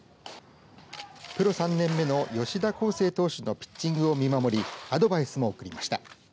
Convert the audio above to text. プロ３年目の吉田輝星投手のピッチングを見守りアドバイスも送りました。